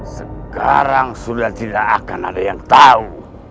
sekarang sudah tidak akan ada yang tahu